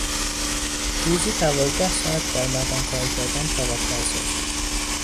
روزی دوازده ساعت در معدن کارکردن طاقت فرساست.